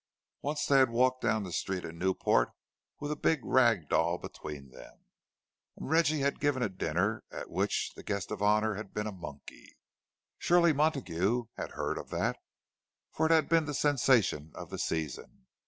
Once they had walked down the street in Newport with a big rag doll between them. And Reggie had given a dinner at which the guest of honour had been a monkey—surely Montague had heard of that, for it had been the sensation of the season.